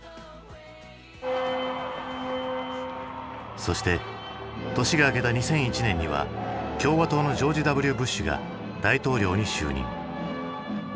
そして年が明けた２００１年には共和党のジョージ・Ｗ・ブッシュが大統領に就任。